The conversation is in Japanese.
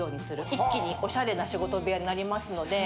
一気にオシャレな仕事部屋になりますので。